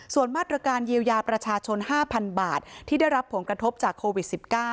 ส่วนมาตรการเยียวยาประชาชน๕๐๐๐บาทที่ได้รับผลกระทบจากโควิด๑๙